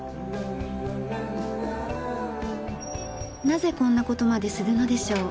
なぜこんな事までするのでしょう？